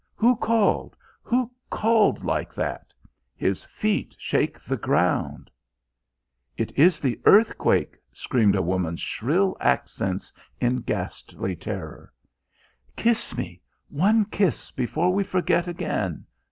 Who called? Who called like that? His feet shake the ground!" "It is the earthquake!" screamed a woman's shrill accents in ghastly terror. "Kiss me one kiss before we forget again...!"